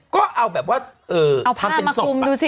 ก็เอาแบบว่าเออเอาผ้ามาคลุมดูสิเอาผ้ามาคลุมดูสิ